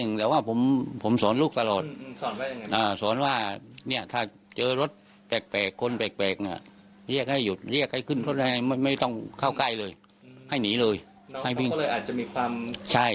อ๋ออุ้งค์น้องพระลูกอาจจะมีความระแวงอยู่ตรงนั้นมั้ย